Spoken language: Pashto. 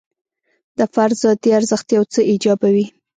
د فرد ذاتي ارزښت یو څه ایجابوي.